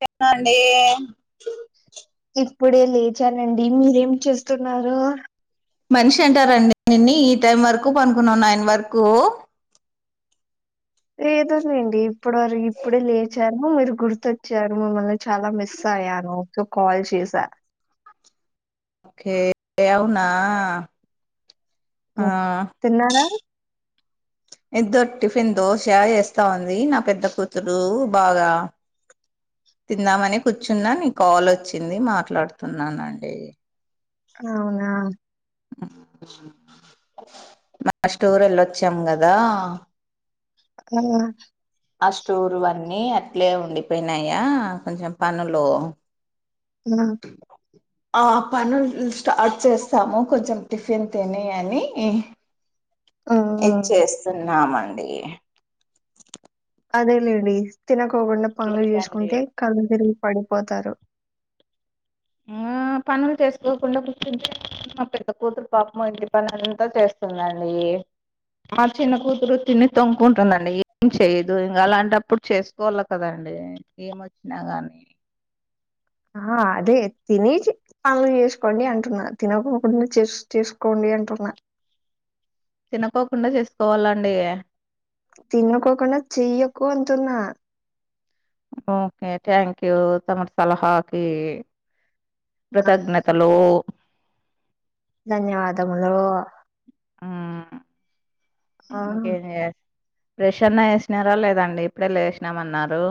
చెప్పండి ఇప్పుడే లేచానండి మీరేం చేస్తున్నారు మనిషి అంటారండి నిన్ను ఈ టైం వరకు పడుకున్నావు నైన్ వరకు ఏదోలేండి ఇప్పటి వరకు ఇప్పుడే లేచాను మీరు గుర్తొచ్చారు మిమ్మల్ని చాలా మిస్ అయ్యాను సో కాల్ చేసా ఓకే అవునా ఓ ఆ తిన్నారా ఎద్దో టిఫిన్ దోశ వేస్తా ఉంది నా పెద్ద కూతురు బాగా తిందామని కూర్చున్నా నీకు కాల్ వచ్చింది మాట్లాడుతున్నానండి అవునా మా స్టోర్ వెళ్ళొచ్చాం కదా ఆ ఆ స్టోర్ అన్నీ అట్లే ఉండిపోయినాయా కొంచెం పనులు ఆ ఆ పనులు స్టార్ట్ చేస్తాము కొంచెం టిఫిన్ తిని అని ఆ, ఆ. ఇచ్చేస్తున్నామండి అదే లేండి తినకోకుండా పనులు ఇంకేంటండి చేసుకుంటే కళ్ళు తిరిగి పడిపోతారు ఆ పనులు చేసుకోకుండా కూర్చుంటే మా పెద్ద కూతురు పాపము ఇంటి పని అంతా చేస్తుందండి మా చిన్న కూతురు తిని తొంగకు ఉంటుందండి ఏం చెయ్యదు ఇంకా అలాంటప్పుడు చేసుకోవాలి కదండి ఏం వచ్చినా గానీ ఆ అదే తినేచి పనులు చేసుకోండి అంటున్నా తినకోకుండా చేసి చేసుకోండి అంటున్నా తినకోకుండా చేసుకోవాలండి తినుకోకుండా చెయ్యకు అంటున్న ఓకే థ్యాంక్ తమరు సలహా కి ఆ, కృతజ్ఞతలో ధన్యవాదములు ఆ ఆ. ఇంకేం చేయాలి ఫ్రెష్ అనా వేసినారా లేదండి ఇప్పుడే లేసినామ్ అన్నారు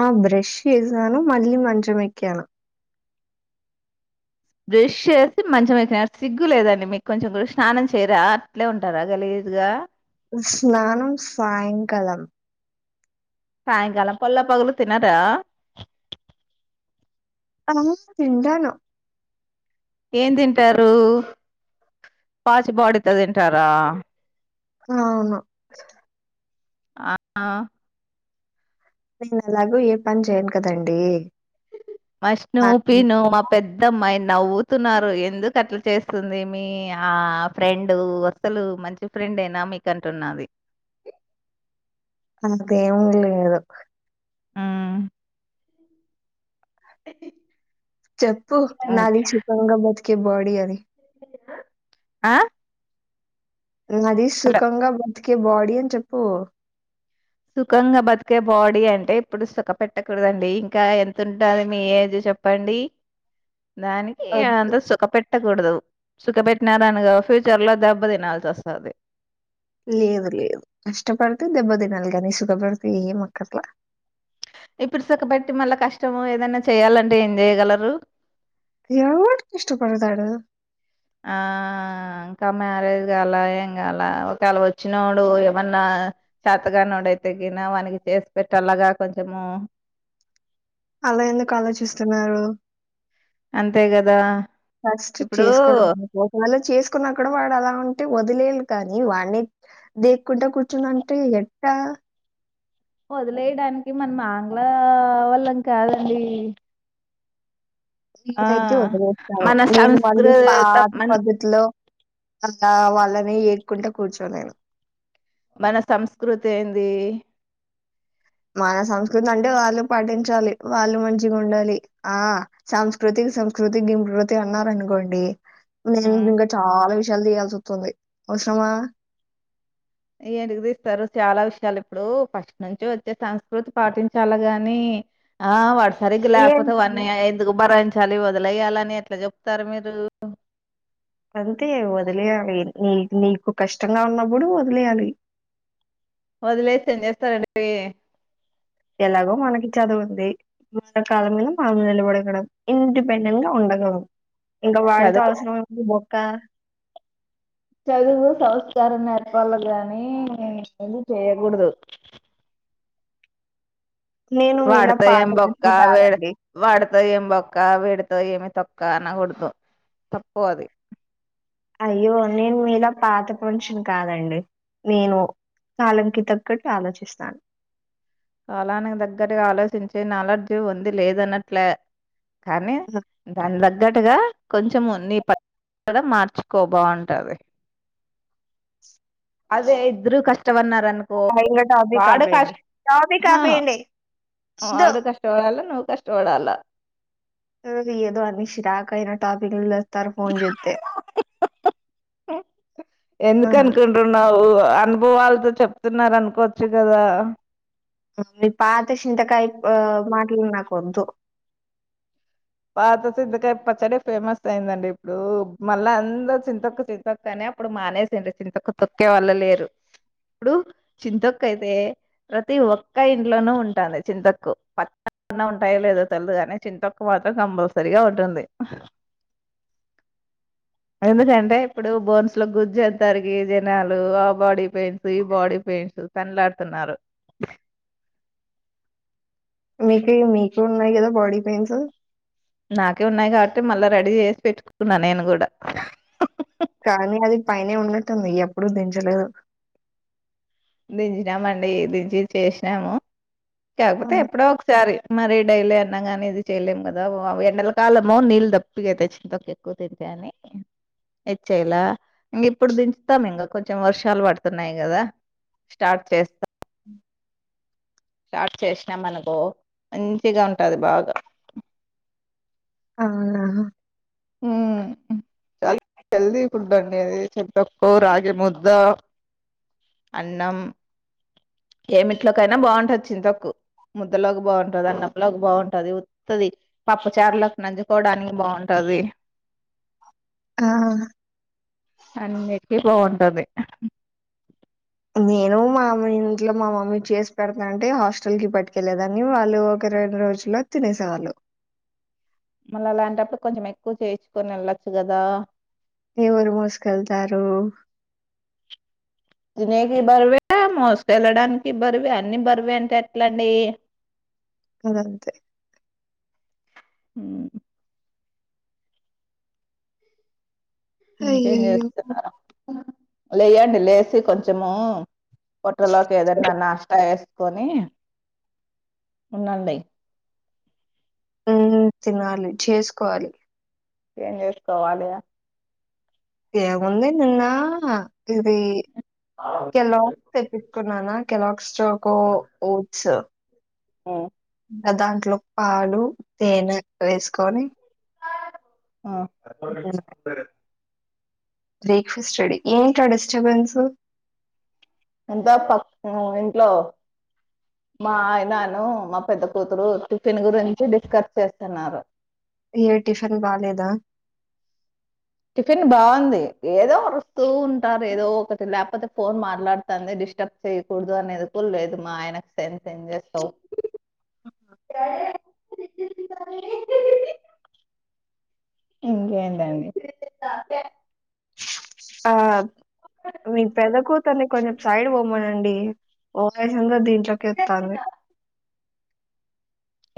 ఆ బ్రష్ చేసినాను మళ్లీ మంచం ఎక్కాను బ్రష్ చేసి మంచం ఎక్కిన సిగ్గు లేదండి మీకు కొంచెం కూడా స్నానం చేయరా అట్లే ఉంటారా గలీజుగా స్నానం సాయంకాలం సాయంకాలం పల్ల పగులు తినారా అ తింటాను ఏం తింటారు పాచ్ బాడీతో తింటారా అవును ఆ ఆ నేను ఏలాగొ ఏ పని చేయను కదండీ మష్ను పి నో మప్ పెద్దమ్మాయి నవ్వుతున్నారు ఎందుకు అట్లా చేస్తుంది మీ ఆ ఫ్రెండ్ అసలు మంచి ఫ్రెండ్ ఏనా మీకు అంటున్నది అంతేం లేదు ఆ హా [inaudible] చెప్పు నాది సుకంగా బతికే బాడి అనీ ఆ నాది సుఖంగా బతికే బాడీ అని చెప్పు సుఖంగా బతికే బాడీ అంటే ఇప్పుడు సుఖ పెట్టకూడదండి ఇంకా ఎంతుంటాది మీ ఏజ్ చెప్ ప్పండి దాని ఆ ఇ అంతా సుఖ పెట్టకూడదు సుఖ పెట్టినార్ అనుకో ఫ్యూచర్ లో దెబ్బ తినాల్సొస్తది లేదు లేదు కష్టపడితే దెబ్బ తినాలి కానీ సుఖపడితే ఏమ్ ఆకర్ల ఇప్పుడు సుఖపెట్టి మళ్ళా కష్టము ఏదనా చేయ్యాలంటే ఏం చేయగలరు ఎవ్డు కష్టపడతాడు ఆ ఆ ఇంకా మ్యారేజ్ కాల ఏం కాల ఒకేళ వచ్చినోడు ఏమన్నా చతకానోడైతే గిన వాడికి చేసి పెట్టలగా కొంచము అలా ఎందుకు ఆలోచిస్తున్నారు అంతే కదా ఫస్ట్ ఇప్పుడు చేసుకోడను ఒకవేళ చేసుకున్న కూడా వాడు అలా ఉంటే వదిలేయాలి కానీ వానే దేక్కుంట కూర్చనన్టే ఎట్టా వదిలేయడానికి మనం ఆంగ్లా వల్లం కాదండి ఆ శ్రీజైన్జ్ వదిలేస్తాను మన నేను వాళ్లు సంస్కృత పాత మన పద్ తిలో అలా వాళ్ళని ఏక్కుంట కూర్చోలేను మన సంస్కృతేన్ది మన సంస్కృతి అంటే వాళ్ళు పాఠించాలి వాళ్ళు మంచిగున్డలి ఆ చామ్స్కృతిక సంస్కృతి గిమ్కృతి అన్నర్ అనుకోండి నేను ఉమ్ ఇంకా చాలా విషయాలు తీయాల్సి వస్తుంది అవసరమా ఎంటికి తీస్తారు చాలా విషయాలు ఇప్పుడు ఫస్ట్ నుంచి వచ్చే సంస్కృతి పాటించాల గాని ఆ వాడ్ సరిగ ఏంటి? లాపోతేవన్నయ ఎందుకు భరయించాలి వదిలయ్యాలని ఎట్లా చెప్తారు మీరు అంతే వదిలేయాలి నీ నీకు కష్టంగా ఉన్నప్పుడు వదిలేయాలి వదిలేసి ఏం చేస్తారండివి ఎలాగో మనకి చదువుంది పుస్త కాళ్ళ మీద మనం నిలబడగడం ఇండిపెండెంట్ గా ఉండగలం ఇంకా వాడితో చదువు అవసరమేముంది బొక్క చదువు సంస్కారం నేర్పాల గాని ఇ పని చేయ్యకూడదు నేను మీలా వాడితో పాత ఏం బొక్క మనిషిని వీడు కాదండి వాడితో ఏం బొక్క వీడితో ఏమి తొక్క అనకూడదు తప్పు అది అయ్యో నేను మీలా పాతపోన్షిన్ కాదండి నేను కాలం కి తగ్గట్టు ఆలోచిస్తాన్ కాలానికి దగ్గరగా ఆలోచించే నాలడ్జీ ఉంది లేదనట్లే కానీ దాన్ తగ్గటుగా కొంచము నీ పద్ కూడా మార్చుకో బావుంటది అదే ఇద్దరు కష్టపనారు అనుకో ఇంగ టాపిక్ వాడ కష్ట ఆపేయండి టాపిక్ హు ఆపేయండి వద్దు వాడు కష్టవడాలా నువ్వు కష్టవడాలా యోజీ ఏదో అనేషిరాకయినా టాపిక్లతే తరు ఫోన్ చేతే ఆ అ టు నా ఉ అనుభవాల్తో చెప్తున్నారనుకోచ్చు కదా నీ పాత సిన్తకాయ ఓ మాటల్ నాకొద్దు పాత చింతకాయ పచ్చడే ఫేమస్ అయిందండి ఇప్పుడు మళ్ళా అందరు చింతొక్కు థీ తొక్కనే అప్పుడు మానేసిండ్రు చింతొక్కు తొక్కే వాలె లేరు ఇప్పుడు చింతొక్కైతే ప్రతి ఒక్క ఇంట్లోనూ ఉంటాది చింతొక్కు పచ్చళ్ళు ఉంటాయో లేదో తెల్వదు కానీ చింతొక్కు మాత్రం కంపల్సరిగా ఉంటుంది ఎందుకంటే ఇప్పుడు బోన్స్ లో గుజ్జు అంతరిగి జనాలు ఆ బాడీ పెయిన్స్ ఈ బాడీ పెయిన్స్ తన్లాడుతున్నారు మీకేం మీకు ఉన్నాయి కదా బాడీ పెయిన్స్ నాకే ఉన్నాయి కాబట్టి మళ్ళా రెడీ చేసి పెట్టుకున్నా నేను కూడా కానీ అది పైనే ఉన్నట్టుంది ఎప్పుడూ దించలేదు దించినామండి దించి చేసినాము ఆ! కాకపోతే ఎప్పుడో ఒకసారి మరి డైలీ అన్నగానీ ఇది చేయలేం ఆ కదా ఎండల కాలము నీళ్ళు దప్పిగైతయ్ చింతొక్కు ఎక్కువ తింటే అని అని ఏచేయాలా ఇంక ఇప్పుడు దించుతాం ఇంక కొంచెం వర్షాలు పడుతున్నాయి కదా స్టార్ట్ చేస్ స్టార్ట్ చేసినం అనకో మంచిగా ఉంటది బాగా అవునా చాల హెల్తీ ఫుడ్ అండి అది చింతొక్కు రాగి ముద్ద అన్నం ఏమిట్లోకైనా బాగుంటది చింతొక్కు ముద్దలోకి బాగుంటంది అన్నంలోకి బాగుంటుది ఉత్తది పప్పుచారులోకి నంజుకోవడానికి బాగుంటది ఆ అన్నిటికీ బాగుంటది నేను మా అమ్మే ఇంట్లో మా మమ్మీ చేసి పెడతానంటే హాస్టల్ కి పట్టుకెళ్లేదాన్ని వాళ్ళు ఒక రెండు రోజులు ఇల తినేసేవాళ్ళు మళ్ళ అలాంటప్పుడు కొంచెం ఎక్కువ చేయించుకొని వెళ్ళొచ్చు కదా ఎవరు మోసుకెళ్తారు తినేకి బరువే మోసుకెళ్ళడానికి బరువే అన్నీ బరువే అంటే ఎట్లండి ఇదంతే ఊ ఇంకేం అయ్యయ్యో చేస్తున్నరు లేయండి లేసి కొంచము పొట్టలోకి ఏదన్నా నాష్ట ఏసుకొని ఉండండి హ్మ్ తినాలి చేసుకోవాలి ఏం చేసుకోవాలి ఏం ఉంది నిన్నా ఇది ఆవ్ ఎలో తెప్పించుకున్నానా కెలాగ్స్ చాకో ఓట్స్ ఆ ఇంకా దాంట్లోకి పాలు తేనె వేసుకొని ఆ ఇంకేంటి బ్రేక్ఫాస్ట్ రెడీ ఏంటా డిస్టర్బెన్స్ అంతా పక్కనోళ్ళ ఇంట్లో మా ఆయనాను మా పెద్ద కూతురు టిఫిన్ గురించి డిస్కస్ చేస్తున్నారు ఏ టిఫిన్ బాలేదా టిఫిన్ బాగుంది ఏదో వరుస్తూ ఉంటారు ఏదో ఒకటి లేకపోతే ఫోన్ మాట్లాడుతంది డిస్టర్బ్ చేయకూడదు అనేది కూడ లేదు మా ఆయనకు సం చేస్తావు త ఇంకేంటండి ఆ మీ పెద్ద కూతల్ని కొంచెం సైడ్ బొమ్మనండి వాయిస్ అంత దీంట్లోకి వస్తాంది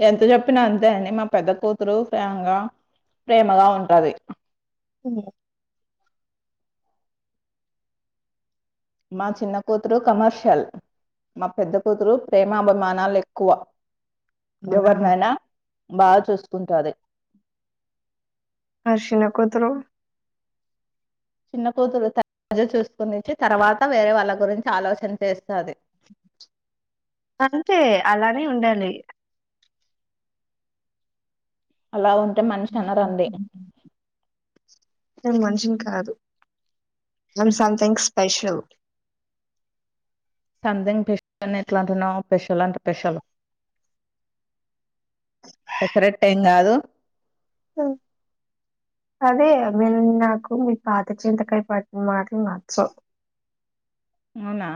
ఎంత చెప్పిన అంతే అండి మా పెద్ద కూతురు ప్రేంగా ప్రేమగా ఉంటది హ మా చిన్న కూతురు కమర్షియల్ మా పెద్ద కూతురు ప్రేమా అభిమానాలు ఎక్కువ మన ఎవరినైనా బా చూసుకుంటది [unintelligible] చిన్న కూతురు చిన్న కూతురు [unintelligible] చూసుకు [unintelligible] తర్వాత వేరే వాళ్ళ గురించి ఆలోచన చేస్తుది అంతే అలానే ఉండాలి అలా ఉంటే మనిషి అనరండి [unintelligible] మషిని కాదు [unintelligible] సంథింగ్ స్పెషల్ సంథంగ్ స్పెషల్ అని ఎట్ల అంటున్నావు స్పెషల్ అంట స్పెషల్ పెసరెట్ ఏం కాదు హు అదే మ నాకు మీ పాత చింతకయ పట్న మాటలు నచ్చవ్ అవునా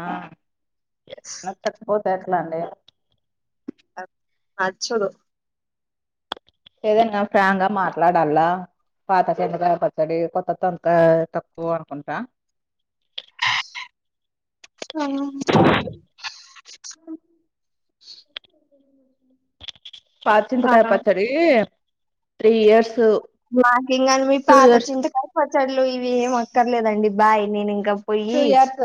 నచ్చకపోతే ఎట్ల అండి నచ్చదు ఏదైనా ఫ్రాంక్ గా మాట్లాడల పాత చింతకాయ పచ్చడి కొత్త [unintelligible] అనుకుంటా ఆ పాత ఆ చింతకాయ పచ్చడి త్రీ ఇయర్స్ మాకి ఇంకానీ మీ టూ పాత ఇయర్స్ చింతకాయ పచ్చడలు ఇవి ఏం అక్కర్లేదండి బాయ్ నేను ఇంక టూ పొయ్యి years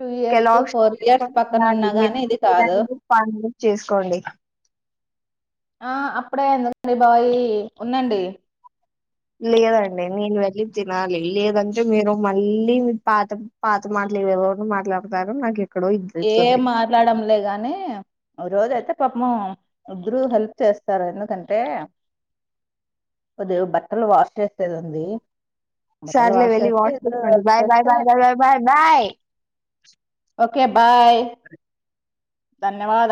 two years four years పక్కన ఉన్నా గాని ఇది కాదు [unintelligible] చేసుకోండి ఆ అప్పుడే ఎందుకండి [unintelligible] ఉండండి లేదండి నేను వెళ్ళి తినాలి లేదంటే మీరు మళ్ళీ మీ పా పాత మాటలు [unintelligible] మాట్లాడతారు నాకు ఎక్కడో ఇది ఏ జరుగుతుంది మాట్లడం లే గాని ఓ రోజయితే పాపం ఇద్దరు హెల్ప్ చేస్తారు ఎందుకంటే కొద్దిగా బట్టలు వాష్ చేసిది ఉంది బట్టలు సర్లే వాష్ చేస్తే ఇద్దరు హెల్ప్ చేస్తే [unintelligible] బయ్ ఓకే బాయ్ ధన్యవాద